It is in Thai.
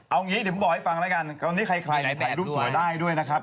เอางี้เดี๋ยวผมบอกให้ฟังแล้วกันตอนนี้ใครแตะรูปสวยได้ด้วยนะครับ